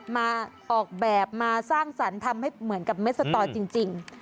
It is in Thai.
มาออกแบบมาสร้างสรรค์ทำให้เหมือนกับเม็ดสตอร์จริง